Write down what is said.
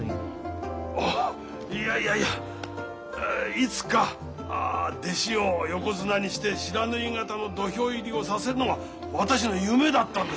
いつか弟子を横綱にして不知火型の土俵入りをさせるのが私の夢だったんです。